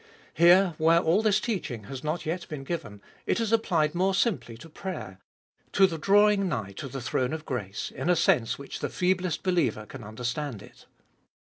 Here, where all this teaching has not yet been given, it is applied more simply to prayer, to the drawing nigh to the throne of grace, in a sense which the feeblest believer can understand it.